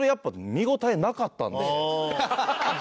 見応えなかったの？